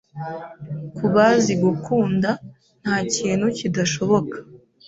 Kubazi gukunda, ntakintu kidashoboka